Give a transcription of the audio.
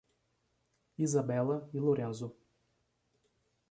Isabella e Lorenzo